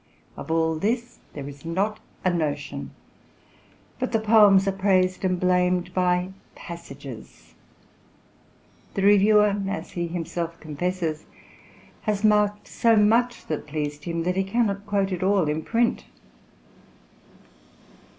Of all this there is not a notion, but the poems are praised and blamed by passages. The reviewer, as he himself confesses, has marked so much that pleased him, that he cannot quote it all in print.